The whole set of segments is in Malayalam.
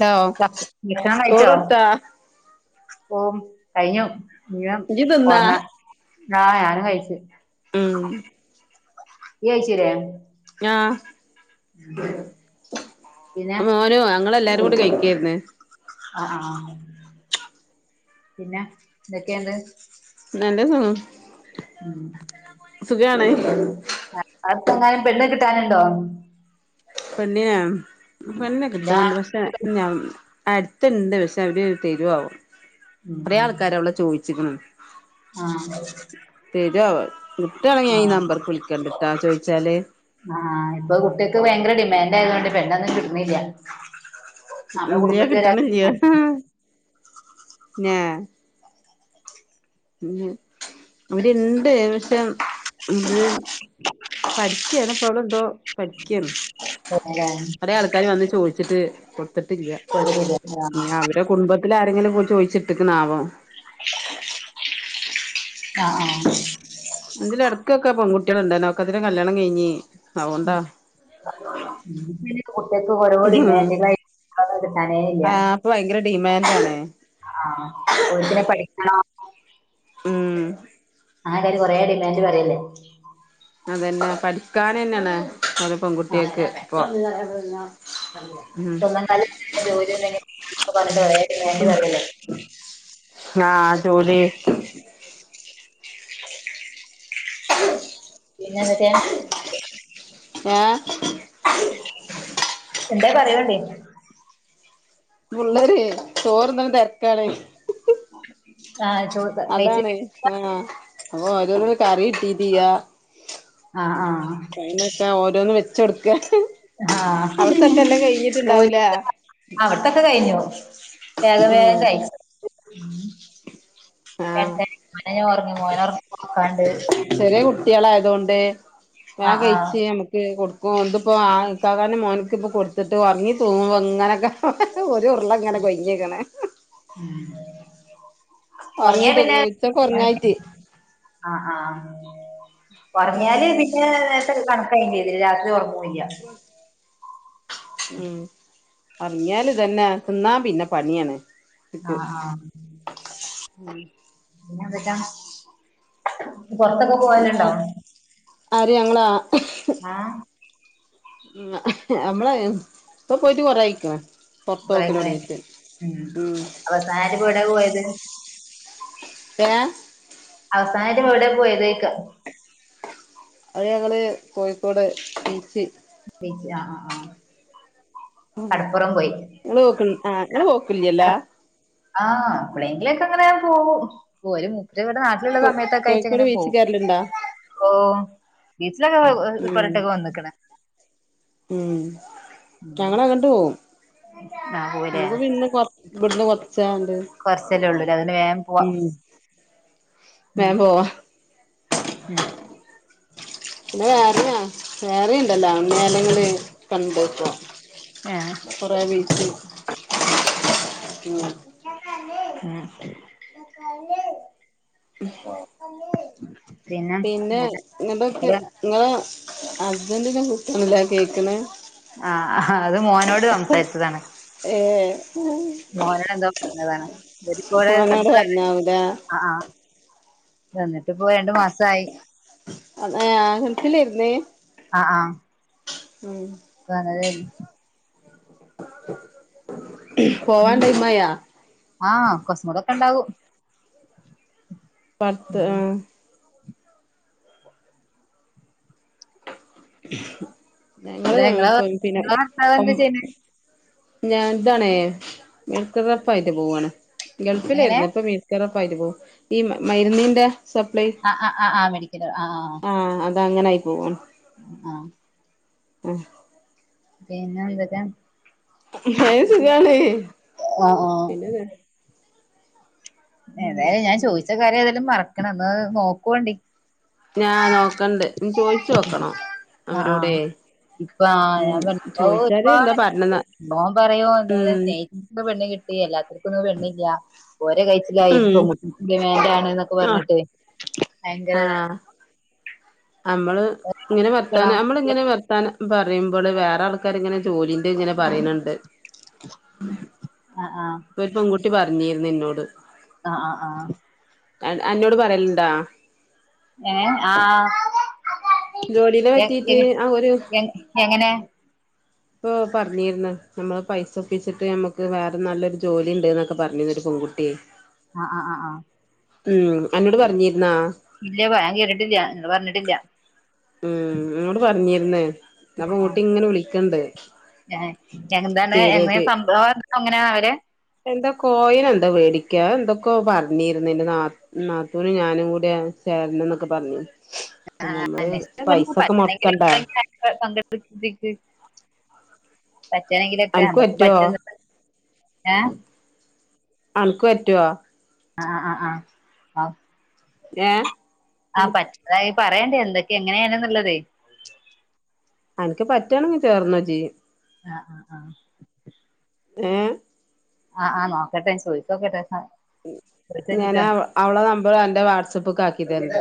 ഹലോ ഭ സ് ഭക്ഷണം കഴിച്ചോ ചോറൊടുത്താ ഓ കഴിഞ്ഞു ഇഞ്ഞ് ഇജ്ജ് തിന്നാ ഒർങ്ങാ ആ ഞാനും കഴിച്ച് ഉം ഇയ് കൈചീലെ ആഹ പിന്നെ മോനോ ഞങ്ങൾഎല്ലാരും... [unintelligible] കഴിക്കായ്ർന്ന് ആ ആ പിന്നെ എന്തൊക്കെണ്ട് നല്ല സു ഇജ്ജാണ് ആ അവിടത്തെങ്ങാനും പെണ്ണ് കിട്ടാനുണ്ടോ പെണ്ണിനെ പെണ്ണിനെ ഇല്ലാ കിട്ടാൻണ്ട്‌ പക്ഷേ ഞഉം... അടുത്ത്ണ്ട് പക്ഷെ അവര് തെരുആവാം കൊറേ ആൾക്കാര് അവളെ ചോയ്ച്ച്ക്ണ് ആ തെരുവോ കിട്ടാണങ്കിൽ ഞാൻ ഈ നമ്പർക് വിളിക്കണ്ട്ട്ടാ ചോയ്ച്ചാല് ആഹ ഇപ്പൊ കുട്ടികക്ക് ഭയങ്കര ഡിമാൻഡ് ആയതുകൊണ്ട് പെണ്ണൊന്നും കിട്ട്ണില്ലാ ഇല്ലിയാ കിട്ട്ണ്ഇല്ല്യാ ഞാ ഉ അവര്ണ്ട് പക്ഷെ ത്ത്.. പരിക്കന സോള എന്തോ പിക്കന്ന് കൊറേ ആൾക്കാര് വന്ന് ചോയ്ച്ചിട്ട് കൊടുത്ത്ട്ടില്ല ആഹ് ഇഞ് അവരെ കുടുംബത്തിൽ ആരെങ്കിലും പോയി ചോയ്ച്ചിട്ട്ക്ണ് ആാവോ [inaudible] ആ ആഹാ ഇതിൽ എടക്കൊക്കെ പെൺകുട്ടികളുണ്ടഇരുന്ന് ഒക്കത്തിന്റിം കല്യാണം കഴിഞ്ഞഞ് അവോണ്ട [inaudible] ഉം ഇപ്പഞ് പെൺ കൂട്ടിയോൾക് ഓരോ ഡിമാന്റുകളായി [inaudible] കിട്ടാനെ ഇല്ലാ ഡിമാന്റ്ആണ് ആ ഹാ ഓര്ക് ന്നെ പഠിക്കണം ഉം അങ്ങനെക്കായിട്ട് കൊറേ ഡിമാൻഡ് പറയല്ലെ അതന്നെ പഠിക്കാൻന്നന്നെണ് ഓരോ പെൺ ആഹ് കുട്ടിയെക് ഇപ്പൊ [inaudible] സ്വന്തം കാലിൽ ജോലിണ്ടങ്കിൽ ഇപ്പോ കൊറേ ഡിമാൻഡ് പറയല്ലെ ആ ജോലി [inaudible] പിന്നെന്തകെ ആ എന്താ പറയാണ്ടേ പുള്ളര് ചോർന്ന്ണ തെര്ക്കാണ് [inaudible] കഴിച്ച് അതാണ് ആ അപ്പൊ ഓരോന്നിന് കറി കട്ടിട്ടിയാ ആഹ് ആഹ് അനൊക്കെ ഓരോന്ന് വെച്ചോട്ക്ക ആ [unintelligible] ഒരു കഴിഞ്ഞിട്ടുണ്ടാവൂലേ അവ്ട്ത്തോക്കെ കഴിഞ്ഞു വേഗ ഉം വേകയച്ച ആഹ് [unintelligible] കുട്ടികളായതോണ്ട് ഞാൻ ആഹ് കൈച് നമുക്ക് കൊടുക്കും ഓല്‍തിപ്പോ ആ കാക്കാന്റെ മോനക്ക്പ്പൊ കൊടുത്തിട്ട് ഒർങ്ങി തൂങ്ങുംബ ങ്ങനൊക്കെ ത് ഉർളങ്ങെനെ കൊയ്ഞ്ക്ണ് ഒർങ്യാ പിന്നെ ഉറങ്ങായിട്ട് ആ ആ ഒറ്ങ്ങിയാല് പിന്നെ നേരത്ത്‌ കണക്കായിം ചെയ്ത് രാത്രി ഒറ്ങ്ങുല്ല ഉം ഒറ്ങ്ങിയാല് ഇതന്നെ തിന്നാ പിന്നെ പണിയാണ് ആ ഇക്ക് ആ [unintelligible] പോറ്ത്തൊക്കെ ഞാ പോവല്ണ്ടോ ആര് ഞങ്ങളാ ഉം ഞമ്മളേ ഇപ്പൊ പോയിട്ട് കൊറായ്‌ക്ണ് [unintelligible] ഉം അവസാനങ്ങോട്ടാ പോയത് ഏ അവസാനായിട്ട് എവടെ പോയതോയ്ക്ക അത് ഞങ്ങള് കോഴിക്കോട് ബീച്ച് ബീച്ച് ആ ആ ആ ങ്ങള് പോക് ആ ഇങ്ങള്പോക്ക്ല്ല്യല ആ എപ്പളെങ്കിലാെക്കെങ്ങനെ പോകും പോര് ത് വെടെ നാട്ടില്ള്ള കോഴിക്കോട് സമയത്തൊക്കായിട്ട്ങ്ങനെ ബീച്ച് പോവും കേറലുണ്ടാ ഓ [unintelligible] ഉം ഒരട്ടോക്കെ വന്ന്ക്ക്ണ് ഉം ഞങ്ങളങ്ങട്ട് പോവും ആഹ് പോവുല്ലേ [unintelligible] ന്ന് കാർ വ്ട്ന്ന് കൊർച്ച കൊർച്ചല്ലെ ഒള്ളൂലെ അതോണ്ട് വേം പോവാ ഉം വേം പോവാ ഉം [unintelligible] കണ്ട് പ്പോ ആഹ് കൊറേ വീട്ടി ഉം ഉം പിന്നെ ങ്ങട്ടോക്ക് ഒരു ങ്ങളെ ഹസ്ബന്റിന്റെ കു ട്ട്ണ്ലെ അത് കേക്ക്ണെ ആഹ് അത് മോനോട് സംസാരിച്ചതാണ് ഏ മോനോട് എന്തോ പറഞ്ഞതാണ് [unintelligible] ഇവരിപ്പോടെ വന്നതാണ് ഉ വന്നിട്ട്പ്പോ രണ്ട് മാസായി ഏ ഗൾഫിലെര്ന്ന് ആ ഉം വന്നതേര്ന്ന് പോവാൻ ടൈമായാ ആ കൊസ്മാെതൊക്കെണ്ടാവും പട്ത്ത്‌ ആ ഞങ്ങള് എടാ ഇങ്ങളെ പ്പം പിന്നെ ഇങ്ങളെ ഭർത്താവ് പ്പം എന്താ ചെയ്യണെ ഞാൻതാണേ മെഡിക്കൽ റപ്പായിട്ട് പോവാണ് എങ്ങനെ ഗൾഫിലേയ്ര്ന്ന് ഇപ്പ മെഡിക്കറ പ്പായിട്ട് പോവ ഈ മര്ന്നിന്റെ സപ്ലൈ ആഹ് ആഹ് ആഹ് ആഹ് മെഡിക്കല് ആഹ് ആ അ അതങ്ങനായി പോവാണ് ആ ആ പിന്നെന്തൊക്കെ അത് സുഖാണ് അ ആ പിന്നെ ഏതായാലും ഞാൻ ചോദിച്ച കാര്യം ഏതായാലും മറക്കണം ഒന്ന് നോക്കോണ്ടി ഞാ നോക്കണ്ട് ചോയ്ചോക്കണം അവരോടെ ഇപ്പ ആ ഞാൻ ഉം ക ഔ ചോയിച്ചാല് ഇപ്പാ എന്താ പറഞ്ഞന്ന മ [unintelligible] ഓൻ പറയും എന്തായാലും ഉം സ്നേഹിച്ച പെണ്ണ് കി ട്ടി എല്ലാത്തോർക്കൊന്നും പെണ്ണില്ല്യ ഓര് കയ്ച്ചിലായി ഉം പ്പം ഡിമാന്റാണ്ന്നൊക്കെ ആഹ് പർഞ്ഞിട്ടെ ഭയങ്കരതാണ് അമ്മള് ഇങ്ങനെ ണം വർത്താന അമ്മള്ങ്ങനെ വർത്താന പറിംമ്പള് വേറെ ആൾക്കാര് ഇങ്ങനെ ജോലിന്റെങ്ങനെ പറിണ് ണ്ട് അ ആ പ്പൊര് പെങ്കുട്ടി പറഞ്ഞീര്ന്ന്ന്നോട് അ അ ആ അൻ അന്നോട് പറയലുണ്ടാ? ഏഹ് ആഹ് ജോലിനെ എങ് പറ്റിട്ട് ആ ഒരു എങ് എങ്ങനെ? ഇപ്പൊ പറഞ്ഞീര്ന്ന് നമ്മള് പൈസ ഒപ്പിച്ചിട്ട് നമ്മുക്ക് വേറെ നല്ലൊരു ജോലിണ്ട്ന്ന് ഒക്കെ പറഞ്ഞീര്ന്നു. [unintelligible] ആഹ് ആഹ് ആഹ് അഹ് ഉം അന്നോട് പറഞ്ഞിരു ന്നോ? ഇല്ല പ- ഞാൻ കേട്ടിട്ടില്ല നിങ്ങള് പറഞ്ഞിട്ടില്ല ഉം എന്നോട് പറഞ്ഞി രുന്ന്. അപ്പോ പെങ്കുട്ടിങ്ങനെ വിളിക്ക്ണ്ട്. ഏഹ് എന്താണ് എങ്ങനെയാ ചേ സംഭവം എങ്ങനെയാണവര്? എന്താ [unintelligible] എന്താ വേടിക്ക എന്തൊക്കോ പറഞ്ഞിര്ന്ന് എന്റെ നാ നാത്തൂനും ഞാനും കൂടെ ചേരണംന്നൊക്കെ പറഞ്ഞു. പിന്നെ നമ്മള് [unintelligible] [unintelligible] പൈസൊക്കെ മൊടക്കണ്ടേ പറ്റണെങ്കിലൊക്കെ അനക്ക് അമ്മക്ക് പറ്റുവോ പറ്റു ഏഹ് അൻക്ക് പറ്റോ? അഹ് അഹ് ആഹ് ആഹ് ഏഹ് ആഹ് പറ്റതയ് പറയേണ്ടി എന്തൊക്കെ എങ്ങനെണ്ന്നുള്ളത് അൻക്ക് പറ്റാണെങ്കി ചേർന്നോ ജ് അഹ് ആഹ് അഹ് ഏഹ് അഹ് ആഹ് നോക്കട്ടെ ചോയിചോക്കട്ടെ ഉം ഞനവളെ നമ്പർ അന്റെ വാട്സപ്പ്ക്ക് ആക്കിതര്ണ്ട്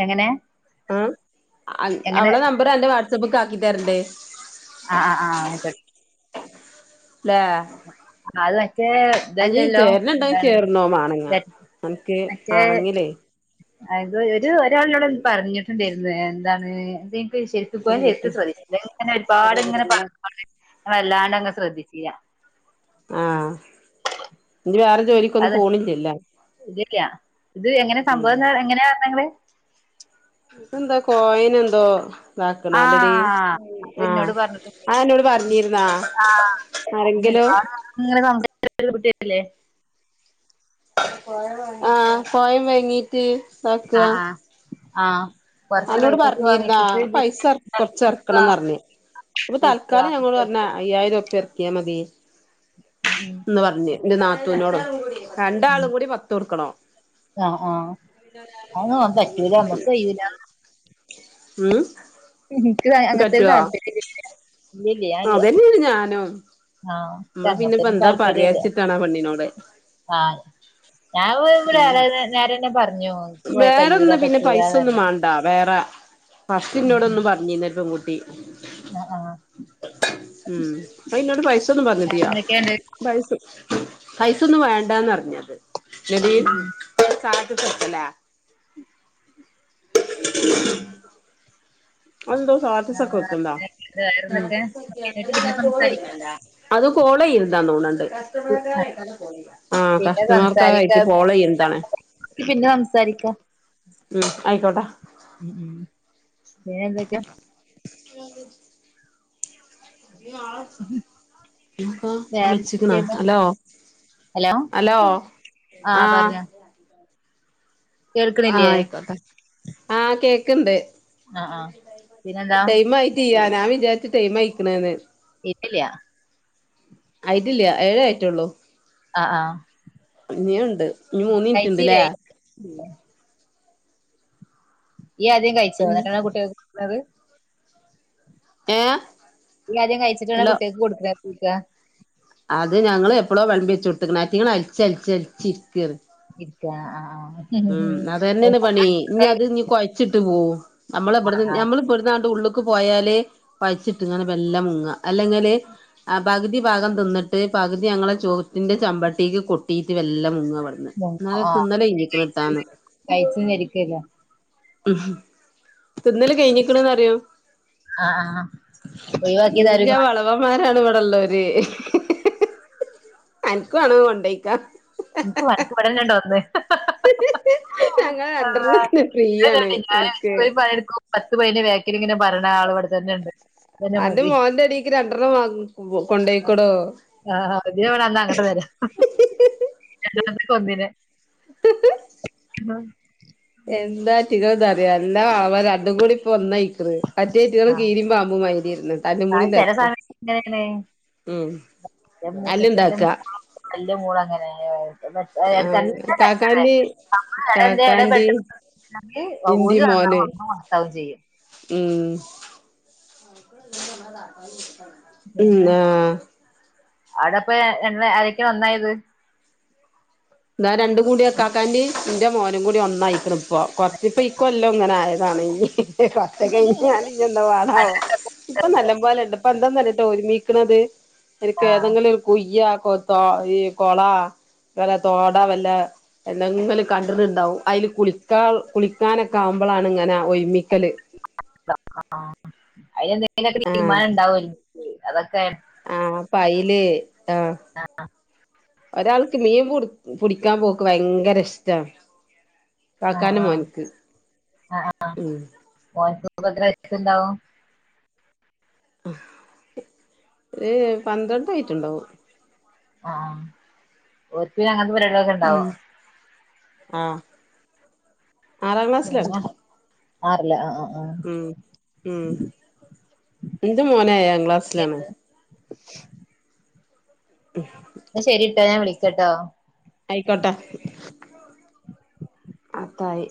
എങ്ങനെ ആഹ് അൻ എങ്ങനെ അവളെ നമ്പർ അന്റെ വാട്സപ്പക്ക് ആക്കി തരണ്ട് അഹ് അഹ് ആഹ് അയിക്കോട്ടെ ലേ അത് മറ്റേ [unintelligible] ഇതല്ലല്ലോ ചേര്ന്ണ്ടേ എന്താണ് ചേർന്നോ മാണങ്ങാ അൻക്ക് മറ്റേ മാണെങ്ങിലേ അത് രു ഒരു ഒരാളിന്നോട് പറഞ്ഞിട്ടുണ്ടായ്രുന്ന് എന്താണ് ന്തേ പെൺകുട്ടി [unintelligible] ഇങ്ങനെ ഒരുപാട്ങ്ങനെ അറിവിടല്ലേ [inaudible] വല്ലാണ്ടങ് ശ്രദ്ധിച്ചീല്ല ആഹ് ഇജ് വേറെ ജോലിക്കൊന്നും അതെ പോണില്ലല്ലേ ല്ല ല്ല ഇത് എങ്ങനെ സംഭവം ഉം ന്ന എങ്ങനെർഞഹ് ങ്ങള് തെന്താ കോയിനന്തോ ഇതാക്ണാ ല്ലടീ ആ അത് ആഹ് ഇന്നോട് പറഞ്ഞിട്ടുണ്ട് അഹ് അന്നോട് പറഞ്ഞിരുന്നാ ആഹ് ആരെങ്കിലു ഇങ്ങനെ [unintelligible] പോയോന്ന് പറഞ്ഞു ആ പോയമ്മേ എണിറ്റ്‌ നോക്ക്‌വാ ആ അന്നോട് പറഞ്ഞിരുന്നോ ആ പൈസ കൊറച്ച ഇറക്കണന്ന് പറഞ്ഞ് ഇപ്പൊ തൽക്കാലം ഞങ്ങോട് പറഞ്ഞ അയ്യായിരം റുപ്പിയ ഇറക്കിയാ മതി ഉം യെന്ന് പറഞ്ഞ് എന്റെ നാത്തൂവിനോടും രണ്ടാളും കൂടി പത്ത് കൊട്ക്കണോ ആ ആ അതൊന്നും പറ്റൂല നമ്മുക്ക് കഴൂലാ ഉം എനിക്ക് അങ്ങനത്തെന് പറ്റുവോ താൽപര്യംഒന്നുംയില്ല ഇല്ല്യ ഇല്ല്യ ഞാൻ ഇല്ല്യ അതന്നെയാണ് ഞാനും നമ്മള് രണ്ട [unintelligible] പിന്നെപ്പോ ത്തിനും എന്താ താല്പര്യല്ല പറയാച്ചിട്ടാണ് ആ പെണ്ണിനോട് ആ ഞാൻ ഇ [unintelligible] നേരന്നെ നേരന്നെ പറഞ്ഞോ ഉം എൻക് വേറൊന്ന് കയ്യൂലാ പറ്റൂലാന്ന് പറ ഹസ്സ് എന്നോട് ഒന്നും പറഞ്ഞില്ലല്ലോ [unintelligible] [unintelligible] ആഹ് ആഹ് ഉംഅ ഇോട് പൈസ പറഞ്ഞിട്ടിയാ വേറെന്തൊക്കെയുണ്ട് പൈസ പൈസൊന്നും വേണ്ടന്ന്റിഞ്ഞത് ഉം ഉം [unintelligible] ൽ സാനത്ത്ത്തല്ലേ [inaudible] അഎന്തോ സ്റ്റാറ്റസക്കെ ആഹ് വെക്കുണ്ടോ വേറെന്തൊക്കെ സ്റ്റാറ്റസ് വെക്കാ നമുക്ക് എന്നിട്ട് പിന്നെ സംസാരിക്ക ചോറൈക്കണ്ടേ എന്താ തോണണ്ട് ആ ആ, കസ്റ്റമർക്കാറായിട്ടാ ഫോളോയ്യ പിന്നെ സംസാരിക്കാ കസ്റ്റമർക്കാരായിട്ട് ഫളോ എന്താണ് പിന്നെ സംസാരിക്കാം ഉം ആയിക്കോട്ടെ പിന എന്തൊക്കെയാ [unintelligible] ക്ക വേറെ [unintelligible] വച്ചിക്കുന്ന എന്തൊക്കെയുണ്ട് ഹലോ ഹലോ ആ ആഹ് പറഞ്ഞോ ആഹ കേൾക്കണില്ലേ ആയിക്കോട്ടെ ആഹ കേക്ക് ണ്ട് ആഹ് ആഹ് പിന്നെന്താ [unintelligible] ടൈം ആയിട്ട്യ വിത്ത് ടൈം ആയിക്കണന്ന് ഇട്ടില്ലിയ ആയിട്ടില്ല ഏഴേ ആയിട്ടള്ളൂ ആഹ് ആഹ് ഇഞുണ്ട് ഇനി മൂന്ന് മിനിറ്റ്ണ്ട്ല്ലേ കഴിച്ചില്ലേ ഈ ആദ്യം കഴിച്ചോന്നിട്ടാണ് കുട്ടികൾ കൊട്ക്ക്ണത് ഏ ആദ്യം കഴിച്ചിക്കണ കുട്ട്യക്ക് കൊടുക്കാർച്ചിക്കാ അത് ഞങ്ങള്ൾഎപ്പോഴോ വെള്ളമ്പി വെച്ച് കൊടുത്ത്ക്കണ ആറ്റങ്ങെള്അലിച്ച അലിച്ച അലിച്ചിരിക്കറ് ഇരിക്കാ ആ ഉം അതന്നെണ് പണി നീ അത് നീ കൊഴച്ചിട്ട് പോകും നമ്മളെ ആഹ് ഇവിടുന്ന് ആഹ് നഞമ്മൾ ഇവിടുന്നാ ഉള്ളു പോയാല് കഴിച്ചിട്ടാണ്ട് മെല്ല മുങ്ങ അല്ലെങ്കില് ആ പകുതി ഭാഗം തിന്നിട്ട് പകുതി ഞങ്ങളെ ചോറ്റിന്റെ ചെമ്പട്ടിക്ക് കൊട്ടിയിട്ട് മെല്ലെ മുങ്ങ എന്നാലും തിന്നല് കഴിഞ്ഞിക്ക്ണ് ട്ടാന്ന് കഴിച്ചിരിക്കല്ല ഉ ഹും തിന്നല് കഴിഞ്ഞിക്കണ്ന്നറിയോ ആഹ് ആഹ് ഒഴിവാക്കിയത് ആരും നല്ല കാണൂല വളവന്മാരാണ് ഇവിടെള്ളോര് അനക്ക് വാണേ കൊണ്ടോയ്ക്കോ എനിക്ക് വടക്ക് ഇവിടന്നെയുണ്ട് ഒന്ന് ഞങ്ങൾ [unintelligible] ഫ്രീയാണ് അല്ലാഹ് ഞാൻ അൻക്ക് പറെണാള് ഇവിടെ തന്നെണ്ട് ഇതന്നെ അന്റെ മതി മോന്റെ അടീക്ക് രണ്ടെണ്ണം വാങ്ങി കൊണ്ടോയിക്കോടോ ആഹ് [unintelligible] [unintelligible] ഒന്നിന് എന്താ [unintelligible] അറിയാ എല്ലാം അവരണ്ടും കൂടി ഇപ്പൊ ഒന്നയ്ക്കിണ് അറ്റേറെറങ്ങള് ആഹ് കീരീം പാമ്പും മാര്യേരിന്ന് കല്ലും അത് പൊടിം ചില [unintelligible] സമയത്ത് ഇങ്ങനെയാണ് ഉം തല്ലിണ്ടാക്ക ന്റെ മോള് അങ്ങനെയാ എ ആഹ് കാക്കാന്റിം എല്ലാം കാക്കാന്റിം [inaudible] ഓല് ഇന്റിം നന്നാവും മോന് അമ്മള് മോശവും ചെയ്യും ഉം ഉം ആഹ് അവ്ടപ്പ് എണ്ണ [unintelligible] ഒന്നായത് താ രണ്ടും കൂടി എക്കാക്കാന്റി ഇന്റ മോനും കൂടി ഒന്നായിക്കണ് ഇപ്പൊ കൊർച്ച് ഇപ്പ ഇക്കൊല്ലോ ഇങ്ങനായ [unintelligible] കഴിഞ്ഞാല് [unintelligible] ഇപ്പ നല്ലംപോലണ്ട് ഇപ്പ എന്താന്നറ്യൊ അറിയ ഒരുമിക്ക്ണത് [unintelligible] ആഹ് ഏതെങ്കിലും ഒരു കുയ്യാ [unintelligible] ഈ കൊളാ [unintelligible] തോടാ വല്ല എവിടേങ്കിലും [unintelligible] അയില് കുളിക്കാ കുളിക്കാനൊക്ക ആവുമ്പളാണ് ഇങ്ങ ആഹ് ഒരുമിക്കല് ആഹ് അയില് എന്തേലൊക്കെ ആഹ് തീരുമാനണ്ടാവും അതൊക്കെ പൈല് ആഹ് ഒരാൾക്ക് മീൻ പുടി പുടിക്കാൻ പോക്ക് ഭയങ്കര ഇഷ്ട ആഹ് കാക്കാനും ആഹ് മോന്ക്ക് ആഹ് ആഹ് ഉം [unintelligible] ഒരു പന്ത്രണ്ട് ആയിട്ടുണ്ടാവും ആഹ് ഓൽക്ക് പിന്നെ അങ്ങനത്തെ പരുപാടികളൊക്കെ ഉം ഇണ്ടാവും ആഹ് ആറാം ക്ലാസ്സിലാണ് ആറിലാ അ അ ഉം ഉം ഇന്റ മോൻ ഏഴാം ക്ലാസ്സിലാണ് ശരിട്ടോ ഞാൻ വിളിക്കട്ടോ ആയിക്കോട്ടെ അത്തായി